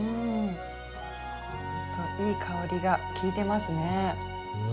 ほんといい香りがきいてますね。